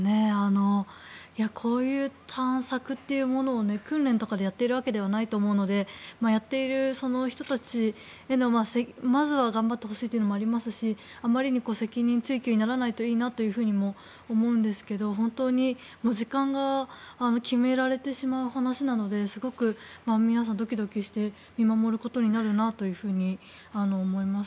こういう探索っていうものを訓練とかでやっているわけではないと思うのでやっている人たちまずは頑張ってほしいというのもありますしあまりに責任追及にならないといいなというふうにも思うんですが本当に時間が決められてしまう話なのですごく皆さん、ドキドキして見守ることになるなと思います。